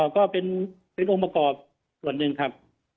ก็เป็นองค์ประกอบส่วนหนึ่งครับ